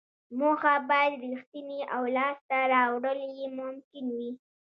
موخه باید ریښتینې او لاسته راوړل یې ممکن وي.